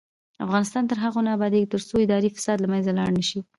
افغانستان تر هغو نه ابادیږي، ترڅو اداري فساد له منځه لاړ نشي.